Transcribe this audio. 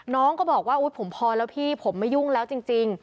น้องก็บอกว่าอุ๊ยผมพอแล้วพี่ผมไม่ยุ่งแล้วจริง